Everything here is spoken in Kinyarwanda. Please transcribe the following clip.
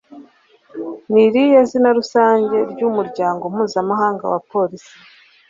Ni irihe zina rusange ry’umuryango mpuzamahanga wa polisi?